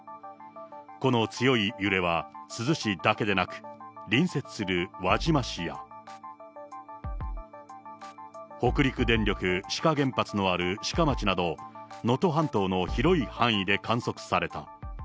この強い揺れは珠洲市だけでなく、隣接する輪島市や、北陸電力志賀原発のある志賀町など、あー、これだ、あった、あった。